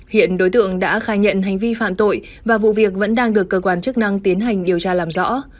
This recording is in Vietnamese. hiện đối tượng đã khai nhận hành vi phạm tội và vụ việc vẫn đang được cơ quan chức năng tiến hành điều tra làm rõ